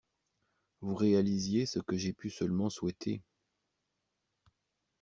Vous réalisiez ce que j'ai pu seulement souhaiter.